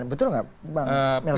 betul nggak bang melki